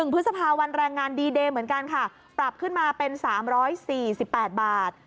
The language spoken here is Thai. พฤษภาวันแรงงานดีเดย์เหมือนกันค่ะปรับขึ้นมาเป็น๓๔๘บาท